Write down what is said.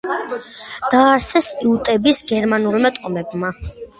დააარსეს იუტების გერმანულმა ტომებმა.